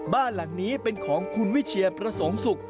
บ้านหลังนี้เป็นของคุณวิเชียประสงค์สุข